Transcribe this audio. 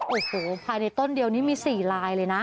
โอ้โหภายในต้นเดียวนี้มี๔ลายเลยนะ